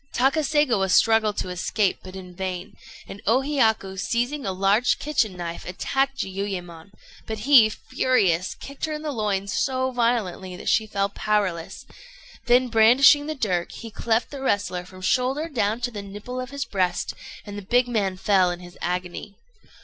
Takaségawa struggled to escape, but in vain; and O Hiyaku, seizing a large kitchen knife, attacked Jiuyémon; but he, furious, kicked her in the loins so violently that she fell powerless, then brandishing the dirk, he cleft the wrestler from the shoulder down to the nipple of his breast, and the big man fell in his agony.